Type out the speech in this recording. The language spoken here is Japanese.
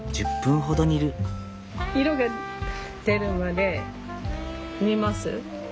色が出るまで煮ます。